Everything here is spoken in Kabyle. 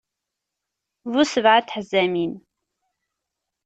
Bu sebɛa n teḥzamin.